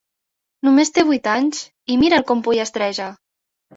Només té vuit anys i mira'l com pollastreja!